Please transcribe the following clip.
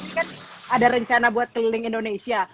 ini kan ada rencana buat keliling indonesia